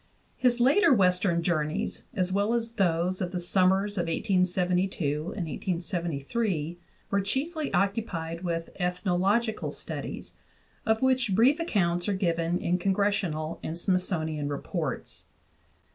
His later western journeys, as well as those of the summers of 1872 and 1873, were chiefly occupied with ethnological studies, of which brief accounts are given in Congressional and Smith sonian reports.